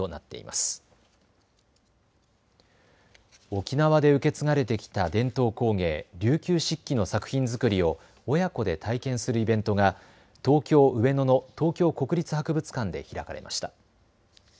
沖縄で受け継がれてきた伝統工芸、琉球漆器の作品作りを親子で体験するイベントが東京上野の東京国立博物館で開かれました。